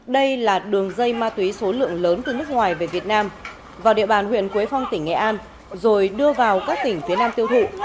đây là đường dây ma túy số lượng lớn từ nước ngoài về việt nam vào địa bàn huyện quế phong tỉnh nghệ an rồi đưa vào các tỉnh phía nam tiêu thụ